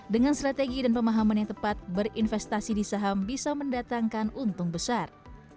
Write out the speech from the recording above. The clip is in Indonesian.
dengan strategi dan pemahaman yang tepat berinvestasi di saham bisa mendatangkan untung besar